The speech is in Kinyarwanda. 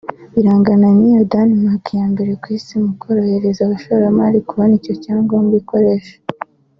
birangana n’iyo Danemark ya mbere ku Isi mu korohereza abashoramari kubona icyo cyangombwa ikoresha